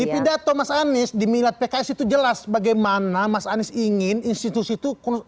di pidato mas anies di minat pks itu jelas bagaimana mas anies ingin institusi itu